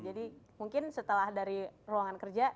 jadi mungkin setelah dari ruangan kerja